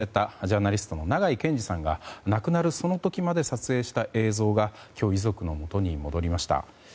ミャンマーで取材中に国軍に銃撃されたジャーナリストの長井健司さんが亡くなるその時まで撮影した映像が今日、遺族のもとに戻りました。